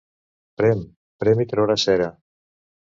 Prem, prem i trauràs cera.